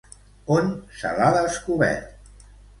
On se l'ha descobert?